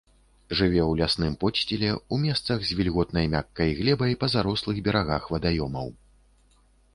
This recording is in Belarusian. Жыве ў лясным подсціле ў месцах з вільготнай мяккай глебай, па зарослых берагах вадаёмаў.